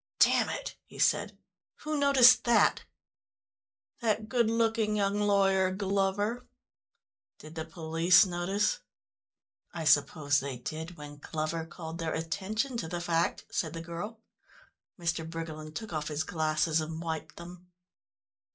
"Damn it," he said. "Who noticed that?" "That good looking young lawyer, Glover." "Did the police notice?" "I suppose they did when Glover called their attention to the fact," said the girl. Mr. Briggerland took off his glasses and wiped them.